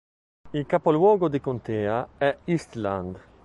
Il capoluogo di contea è Eastland.